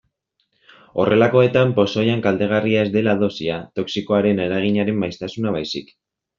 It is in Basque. Horrelakoetan pozoian kaltegarria ez dela dosia, toxikoaren eraginaren maiztasuna baizik.